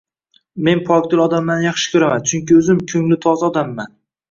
Man pokdil odamlarni yaxshi ko`raman, chunki o`zim ko`ngli toza odamman